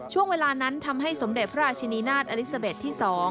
ช่วงเวลานั้นทำให้สมเด็จพระราชินีนาฏอลิซาเบสที่๒